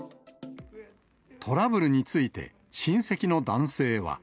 トラブルについて、親戚の男性は。